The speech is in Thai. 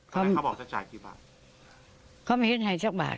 เขาบอกจะจ่ายกี่บาทเขาไม่เห็นให้สักบาท